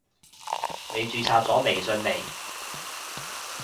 你註冊咗微信未？